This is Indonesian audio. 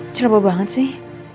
ceroboh banget sih